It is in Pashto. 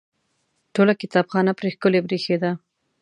ټوله کتابخانه پرې ښکلې برېښېده.